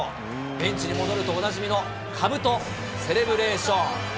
ベンチに戻ると、おなじみのかぶとセレブレーション。